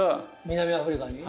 南アフリカに？